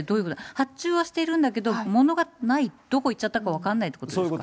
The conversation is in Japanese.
発注はしてるんだけど、ものがない、どこいっちゃったか分からないということですか。